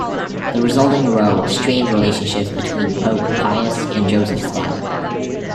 The resulting row strained relationships between Pope Pius and Joseph Stalin.